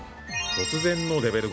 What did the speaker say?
突然のレベル５。